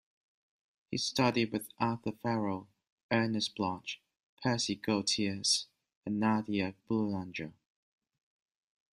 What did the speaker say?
He studied with Arthur Farwell, Ernest Bloch, Percy Goetschius, and Nadia Boulanger.